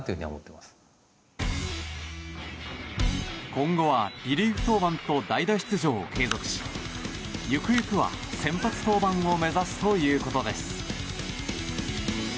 今後はリリーフ登板と代打出場を継続しゆくゆくは先発登板を目指すということです。